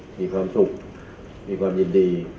มีความสุขมีความยินดี